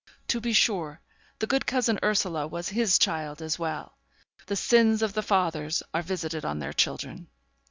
To be sure, the good cousin Ursula was his child as well. The sins of the fathers are visited on their children.